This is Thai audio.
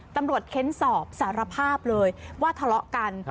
เค้นสอบสารภาพเลยว่าทะเลาะกัน